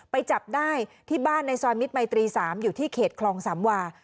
ไปจับได้ที่บ้านในซอยมิตรมัยตรี๓อยู่ที่เขตคลองสามวา